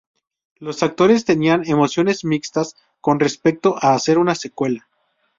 Los actores tenían emociones mixtas con respecto a hacer una secuela.